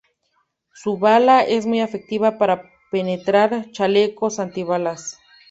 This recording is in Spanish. Su bala es muy efectiva para penetrar chalecos antibalas.